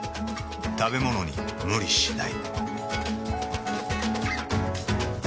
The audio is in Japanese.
食べものに無理しない。